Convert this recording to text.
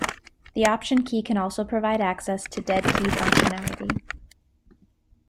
The Option key can also provide access to dead key functionality.